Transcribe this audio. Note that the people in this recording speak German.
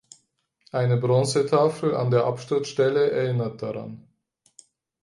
Eine Bronzetafel an der Absturzstelle erinnert daran.